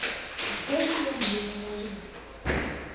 Teriiyo mulimu mubi.